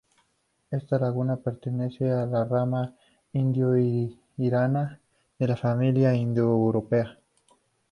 Esta lengua pertenece a la rama indo-irania de la familia indoeuropea.